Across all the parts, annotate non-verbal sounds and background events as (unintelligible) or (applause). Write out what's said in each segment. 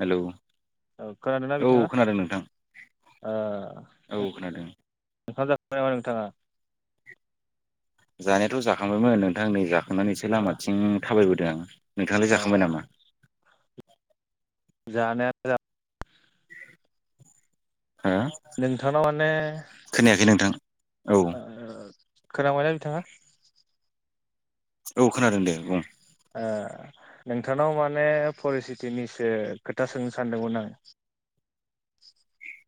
Hello औ खोनादोंना औ बिथांङा? खोनादों नोंथां ओ औ खोनादों ओंखाम जाखांबाय नामा नोंथाङा?? जानायाथ' जाखांबायमोन नोंथां नै जाखांनानैसो ओ लामाथिं थाबायबोदों आं नोंथांङालाय ओ जाखांबाय नामा? जानाया जा हो नोंथांनाव माने खोनायाखै नोंथां। औ ओ खोनाबायना बिथांङा? औ खोनादों दे बुं। ओ नोंथांनाव माने परिस्थिथिनिसो खोथा सोंनो सानदोंमोन आं। (inaudible)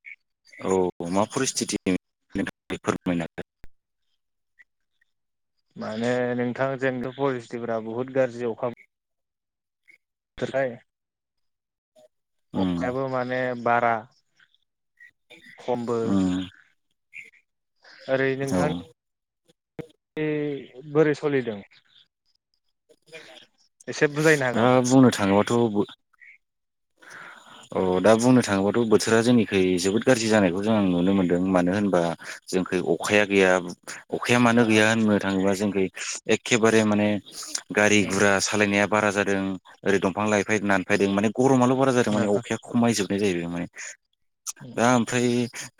औ मा परिस्थित (unintelligible) फोरमायना हो माने नोंथां जोंथ' परिस्टिफोरा बुहुत गाज्रि अखा थाखाय उम अखायाबो माने बारा खमबो उम ओरै औ नोंथां खै बोरै सलिदों? दा बुंनो थांङोबाथ' बो अ दा बुंनो थाङोबाथ' बोथोरा जोंनिखै जोबोद गाज्रि जानायखौ जों आं नुनो मोन्दों मानो होनबा जोंखै अखाया गैया अखाया मानो गैया होननो थाङोबा जोंखै एखेबारे माने गारि गुरा सालायनाया बारा जादों ओरै दंफां लाइफाय दानफायदों माने गरमाल' बारा जादों माने अखाया खमायजोबनाय जाहैबाय दा ओमफ्राय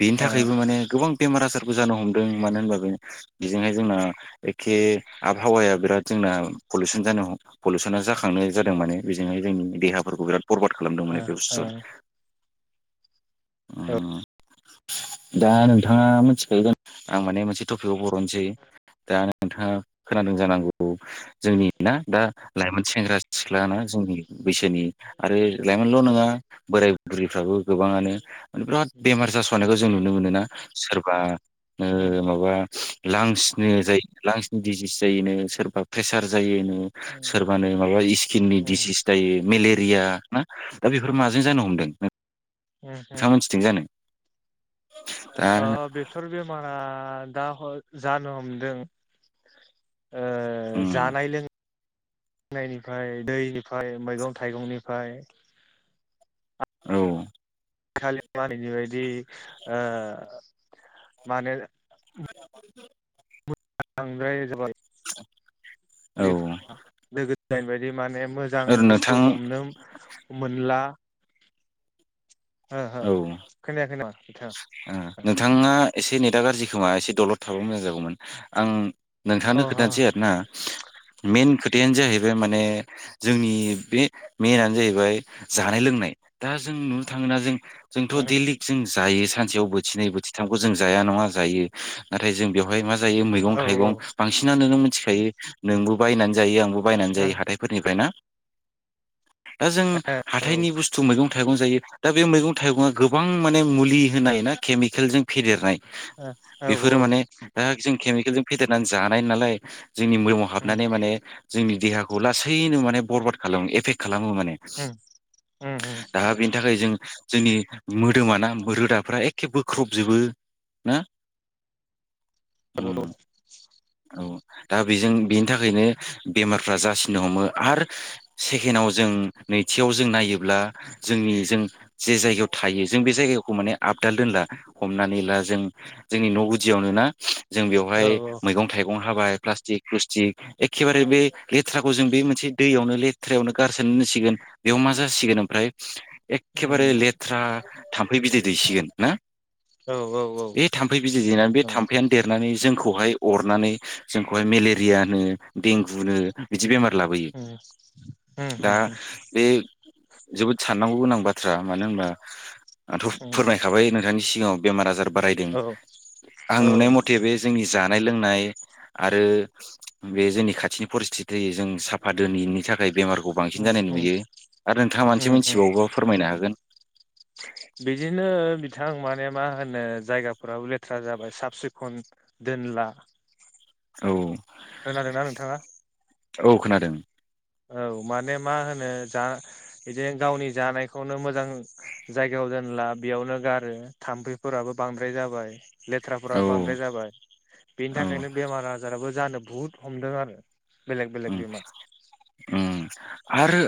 बेनि थाखायबो माने गोबां बेमार आजार बो जानो हमदों मानो होनबा बे बेजोंहाय जोंना एखे आबहावाया बिराद जोंना पलुसन जानो हम पलुस ना जाखांनाय जादों माने बेजोंहाय जोंनि देहाफोरखौ बिराद बरबाद खालामदों माने बे बुस्थुआ औ उम दा नोंथांङा मिथिखायोन आं माने मोनसे टपिकआव बर'नोसै दा नोंथाङा खोनादों जानांगौ जोंनि ना दा लाइमोन सेंग्रा सिख्लाना जोंनि बैसोनि आरो लाइमोनल' नङा बोराय बुरैफ्राबो गोबाङानो माने बिराद बेमार जास'नायखौ जों नुनो मोनोना सोरबा ओ माबा लांसनो जायो लांसनि डिजिस जायोनो सोरबा प्रेसार जायोनो सोरबानो माबा इस्किननि ओ डिसिस जायो मेले रिया ना दा बेफोर माजों जानो हमदों ओ ओ नोंथांङा मोनथिं जानो? दा ओ बेफोर बेमारा दा हा जानो हमदों ओ उम जानाय लों नायनिफ्राय दैनिफ्राय मैगं थाइगंनिफ्राय औ खालि मालनि बायदि ओ मानो (inaudible) औ (unintelligible) माने मोजां ओरै नोंथां बुस्थु हमनो मोनला ओहो औ खोनायाखै नामा नोंथा दा गाज्रि खोमा एसे दलद थाबा मोजां जागौमोन आं अ नोंथांनो औ खोनथानोसै आरोना मेन खोथ थायानो जाहैबाय माने जोंनि बे मेनानो जाहैबाय जानाय लोंनाय दा जों नुनो थाङोना जों जोंथ' दैलिक जों जायो सानसेयाव बोथिनै बोथिथामखौ जों जाया नङा जायो नाथाइ जों बेयाव ओमफ्राय मायो मैगं औ थाइगं बांसिनानो नों मिथिखायो नोंबो बायनानै जायो आंबो बायनानै जायो हाथायफोरनिफ्राय ना दा जों हाथाइनि बुस्थु मैगं थाइगं जायो दा बे मैगं थाइगङा गोबां माने मुलि होनाय ना केमिकेलजों फेदेरनाय औ बेफोरो औ माने दा जों केमिकेलजों फेदेरनानै जानाय नालाय जोंनि मोदोमाव उम हाबनानै माने जोंनि देहाखौ लासैनो माने बरबाद खालामो एफेक्ट खालामो माने उम उम उम दा बेनि थाखाय जों जोंनि मोदोमाना रोदाफ्रा एखे बोख्रबजोबो ना उम (unintelligible) औ दा बेजों बेनि थाखायनो बेमारफ्रा जासिननो हमो आरो सेकेणडआव जों नै नैथियाव जों नायोब्ला जोंनि जों जे जायगायाव थायो जों बे जायगाखौ माने आपडाल दोनला हमनानै ला जों जोंनि न' गुदियावनो ना जों औ बेवहाय औ मैगं थाइगं हाबाय प्लास्टिक प्लुस्टिक एखेबारे बे लेथ्राखौ जों बे मोनसे दैयावनो लेथ्रायावनो गारसोना दोनसिगोन बेयाव मा जासिगोन ओमफ्राय एखेबारे उम लेथ्रा थाम्फै बिदै दैसिगोन ना औ औ औ बे थाम्फै बिदै दैनानै बे नंगौ थाम्फैयानो देरनानै जोंखौहाय अरनानै जोंखौहाय मेलेरिया नो देंगुनो बिदि बेमार लाबोयो उम उम दा उम बे जोबोद साननांगौ गोनां बाथ्रा मानो होनब्ला आंथ' फोरमायखाबाय नोंथांनि सिगाङाव बेमार आजार बारायदों औ आं नुनाय औ मथे बे जोंनि जानाय लोंनाय आरो बे जोंनि खाथिनि परिस्थिथि जों साफा दोनिनि थाखाय बेमारखौ बांसिन जानाय नुयो आरो नोंथाङा मोनसे मोनथिबावोबा फोरमायनो हागोन बिदिनो बिथां मान मा होनो जायगाफोराव लेथ्रा जाबाय साब सिखन दोनला औ खोनादों ना नोंथाङा औ खोनादों औ माने मा होनो जा बिदि गावनि जानायखौनो मोजां जायगायाव दोनला बेयावनो गारो थाम्फैफोराबो बांद्राय जाबाय औ लेथ्राफोराबो बांद्राय जाबाय बेनि औ थाखायनो बेमार आजाराबो जानो बुहुद हमदों आरो बेलेग बेलेग बिमार ओम आरो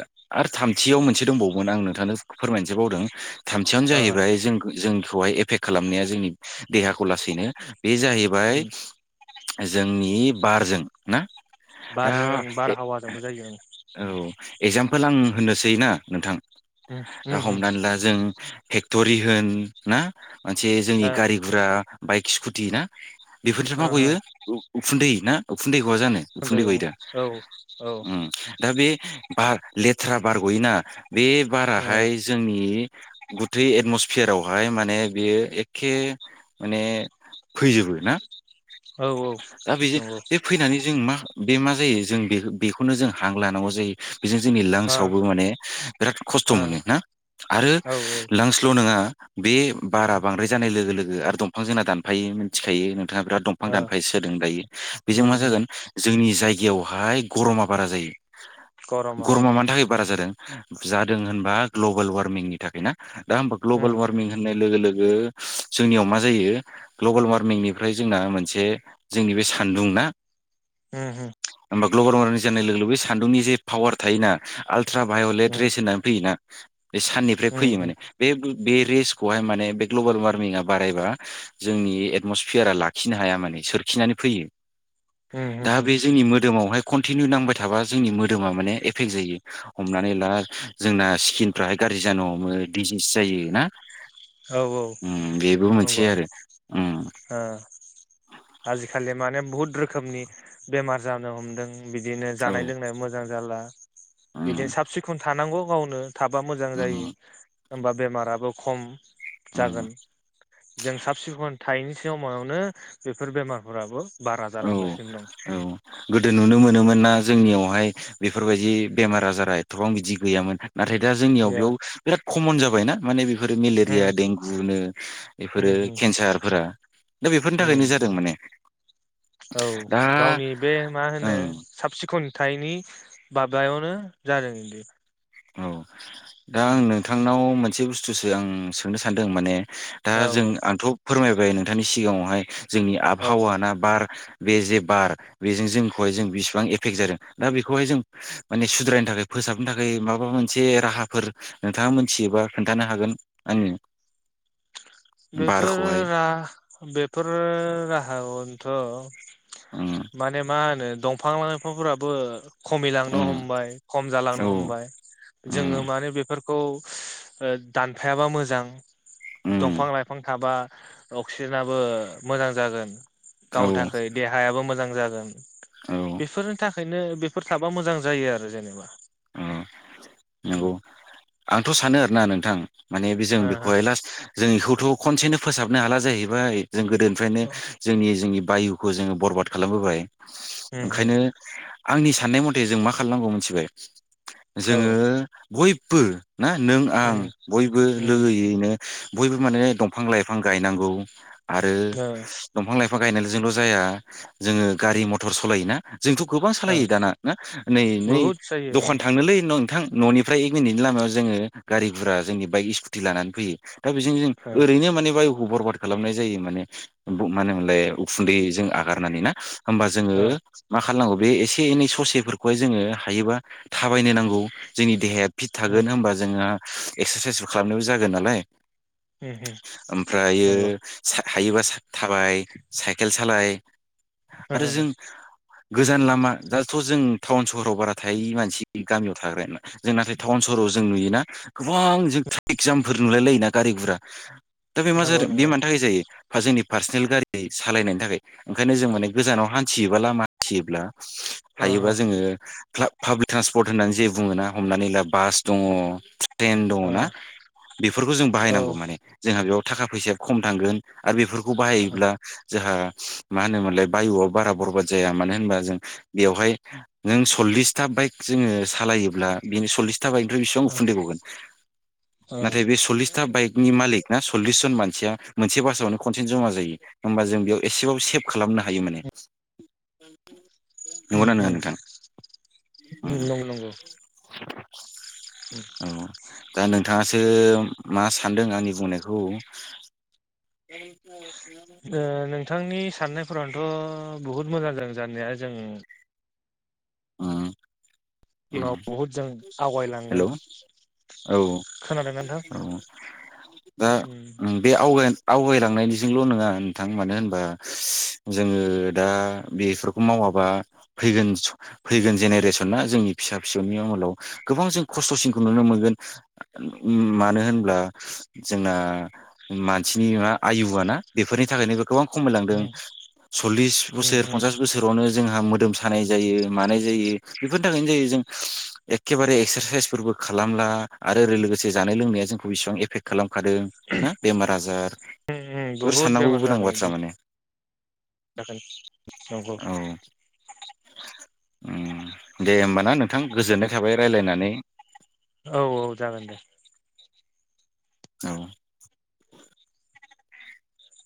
आरो थामथियाव मोनसे दंबावोमोन आं नोंथांनो फोरमाय नोसो बावदों थामथियावनो जाहैबाय जों जोंखौहाय एफेक्ट खालामनाया जोंनि देहाखौ लासैनो बे जाहैबाय जोंनि बारजों ना दा बारजों ओं ए बारहावाजोंबो जायो औ एगजामफोल आं होनोसै ना नोंथां ओं दा हमनानै ला जों फेक्ट'रि होन ना मोनसे जोंनि ओ गारि गुरा बाइक स्कुटि ना बेफोरनिफ्राय मा ओ गयो उ उखुन्दै ना उखुन्दै गआ जानो औ उखुन्दै गयो दा औ उम दा बे बार लेथ्रा बार गयोना बे औ बाराहाय जोंनि गुथै एटम'स्फेयारावहाय माने बेयो एखे माने फैजोबो ना। औ दा बेजो नंगौ ओ बे फैनानै जों मा बे मा जायो। जों बे-बेखौनो जों हां लानांगौ जायो। बिजों जोंनि लांसआवबो माने बिराद खस्थ' औ मोनो ना आरो औ ओ लांसल' नङा बे बारा बांद्राय जानाय लोगो लोगो आरो दंफां जोंना दानफायो मिन्थिखायो नोंथाङा बिराद दंफां दान फाय सोदों दायो बेजों उम मा उम जागोन जोंनि जायगायावहाय गर'मा बारा जायो। गर'मा मानि थाखाय बारा जादों। जादों होनबा ग्लबेल वार्मिंनि थाखाय ना दा होम्बा उम ग्लबेल वार्मिं होन्नाय लोगो लोगो जोंनियाव मा जायो ग्लबेल वार्मिंनिफ्राय जोंना मोनसे जोंनि बे सान्दुं ना उम उम होम्बा ग्लबेल वारमिं जानाय लोगो बे सान्दुंनि जे पावार थायोना आल्ट्रा भाय'लेट उम रेस होन्नानै फैयोना। बे साननिफ्राय फैयो उम माने बे ब बे रेसखौहाय माने बे ग्ल'बेल वार्मिआ बारायबा जोंनि एटम'सिफियारा लाखिनो हाया माने सोर खिनानै फैयो उम दा उम उम बे जोंनि मोदोमावहाय कनटिनिउ नांबाय थाबा जोंनि मोदोमा माने एफेक्ट जायो हमनानै ला जोंना स्किनफ्राहाय गा ज्रि जानो हमो दिजिस जायो ना। औ औ उम बेबो मोनसे नंगौ आरो उम। ओ आजिखालि माने बुहुद रोखोमनि बेमार जानो हमदों। बिदिनो औ जानाय लोंनाय मोजां जाला बिदिनो उम साब सिखन थानांगौ गावनो। थाबा मोजां जायो उम होम्बा बेमाराबो खम। उम जागोन जों साब सिखन थायैनि सियाव मायावनो बेफोर बेमारफोराबो बारा औ जालांगासिनो औ गोदो नुनो दं मोनोमोन ना जोंनियाव। हाय बेफोरबायदि बेमार आजारा एथ'बां बिदि गैयामोन नाथाय दा जोंनियाव बियाव बिराद खमन जाबायना माने बेफोरो उम मेलेरिया देंगुनो बेफोरो उम उम केन्सारफोरा। दा बेफोरनि थाखायनो उम जादों माने। औ दा गावनि बे मा होनो ओं साब सि खन थायिनि बाबायावनो जादों बि। औ दा आं नोंथांनाव मोनसे बुस्थुसो आं सोंनो सान्दों माने दा औ जों आंथ' फोरमायबाय नोंथांनि सिगाङावहाय जोंनि औ आबहावाना बार बे जे बार बेजों जोंखौहाय जों बिसिबां एफेक्ट जादों दा बिखौहाय जों माने सुद द्रायनो थाखाय फोसाबनो थाखाय माबा मोनसे राहाफोर नोंथाङा मोन्थियोबा खोन्थानो हागोन आंनो। बेफोर बारखौहाय रा बेफोर राहाअन्थ'। उम माने मा होनो दंफां लाइफांफोराबो खमिलांनो उम हमबाय खम औ जालांनो हमबाय जोङो उम मानो बेफोर खौ ओ दानफायाबा मोजां। उम दंफां लाइफां थाबा अक्सिजेनाबो मोजां जागोन। औ गावनि थाखाय देहायाबो मोजां जागोन औ बेफोरनि थाख खायनो बेफोर थाबा मोजां जायो आरो जेनेबा। अ' नंगौ उम आंथ' सानो आरोना नोंथां। माने बे जों ओ बेखौहाय लास्ट जों इखौथ' खनसेनो फोसाबनो हाला जाहैबाय। जों गोदोनिफ्रायनो ओ जोंनि जोंनि बायुखौ जोङो बरबाद खालामबोबाय। उम ओंखायनो उम आंनि सान्नाय मथे जों मा खालामनांगौ मिन्थिबाय। औ जोङो बयब्बो ना नों आं उम बयबो उम लोगोैयैनो बयबो माने दंफां लाइफां गायनांगौ आरो ओ दंफां लाइफ बिफां गायनायलोजोंल' जाया जोङो गारि मथर सलायोना जोंथ' गोबां ओ सालायो दाना ना नै नै बहुद जायो दखान ओं थांनोलै न' नोंथां न'निफ्राय एक मिनिटनि लामायाव जोङो गारि गुरा जोंनि बाइक स्कुटि लानानै फैयो दा बेजों जों ओ ओरैनो माने बाय बरवाद खालामनाय जायो माने मा होनमोनलाय उखुन्दै जों आगारनानै ना होमबा जोङो ओ मा खालामनांगौ बे एसे एनै ससेफोरखौहाय जोङो हायोबा थाबायनो नांगौ जोंनि देहाया फिट थागोन उम होमबा जोंहा इक्सारसाइस खालामनायबो जागोन नालाय उम उम ओमफ्रायो नंगौ हायोबा थाबाय साइकेल सालाय ओ आरो जों गोजान लामा दाथ' जों टाउन सहराव बारा हाथाय मानसि गामियाव थाग्राया जों नाथाय टाउन सहराव जों नुयोना गोबां जों ट्रेफिक जामफोर नुलाय लायोना गारि गुरा दा बे मा नंगौ जादों बे नंगौ मानि थाखाय जायो बा जोंनि पार्सनेल गारि सालायनायनि थाखाय ओंखायनो जों माने गोजानाव हान्थियोबा लामा हान्थियोब्ला ओ हायोबा जोङो क्लाब पाब्लिक ट्रान्सपर्ट होननानै जे बुङोना हमनानै ला बास दङ ट्रेन दङ ना बेफोरखौ जों बाहायनांगौ औ माने जोंहा बेयाव थाखा फैसाया खम थांगोन आरो बेफोरखौ बाहायोब्ला जोंहा मा होनोमोनलाय बायुआ बारा बरबाद जाया मानो होमबा जों बेवहाय नों सल्लिस था बाइक जोङो सालायोब्ला बिनि सल्लिस था बायकनिफ्राय बिसिबांं उखुन्दै गगोन औ नाथाय बे सल्लिस था बाइकनि मालिक ना सल्लिस जन मानसिया मोनसे बासावनो खनसेनो जमा जायो होमबा जों बेयाव एसेबाबो सेभ खालामनो हायो माने उम नंगौना नङा उम नोंथां उम नंगौ नंगौ (inaudible) औ (inaudible) दा नोंथाङासो मा सानदों आंनि बुंनायखौ ओ नोंथांनि साननायफोरानोथ' बहुद मोजां जादों जानाया जों उम उम उनाव बुहुद जों हेल' आवगायलांगोन औ खोनादोंना नोंथां औ दा उम बे आवगाय आवगायलांनायनिजोंल' नङा नोंथां मानो होनबा जोङो दा बेफोरखौ मावा बा फैगोन फैगोन जेनेरेसना जोंनि फिसा फिसौनि आमोलाव गोबां जों खस्थ'सिनखौ नुनो मोनगोन ओम मानो होनब्ला जोंना मानसिनि मा आयुआ ना बेफोरनि थाखायनो गोबां खमायलांदों उम सल्लिस उम बोसोर उम पनसास बोसोरावनो जोंहा मोदोम सानाय जायो मानाय जायो बेफोरनि थाखायनो जायो जों एखेबारे एक्सारसाइसबो खालामला आरो लोगोसे जानाय लोंनाया जोंखौ बेसेेबां एफेक्ट खालाम हादों ना बेमार आजार उम उम बेफोर बहुद साननांगौ बेमार गोनां जादों बाथ्रा बिनि माने नंगौ ओम दे होमबाना नोंथां गोजोननाय थाबाय रायलायनानै औ औ जागोन दे औ